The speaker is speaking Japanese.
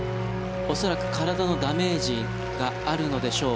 恐らく体のダメージがあるのでしょう。